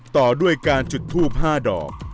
ต่อด้วยการจุดทูป๕ดอก